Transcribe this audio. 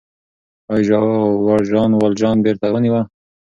آیا ژاور ژان والژان بېرته ونیوه؟